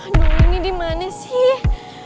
aduh ini dimana sih